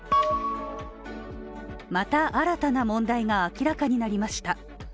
また新たな問題が明らかになりました。